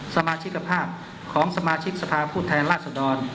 สมาชิกภาพของสมาชิกสภาพผู้แทนราชดร